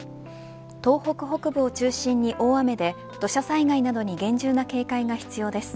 東北北部を中心に大雨で土砂災害などに厳重な警戒が必要です。